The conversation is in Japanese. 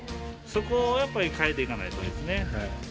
そこをやっぱり変えていかないと。